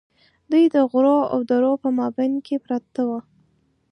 دوی د غرونو او درو په مابین کې پراته وو.